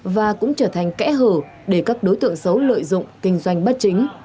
và cũng trở thành kẽ hở để các đối tượng xấu lợi dụng kinh doanh bất chính